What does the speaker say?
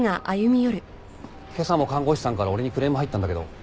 今朝も看護師さんから俺にクレーム入ったんだけど。